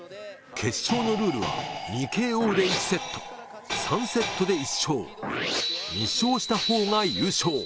決勝のルールは２ＫＯで１セット３セットで１勝２勝したほうが優勝